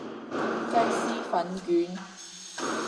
雞絲粉卷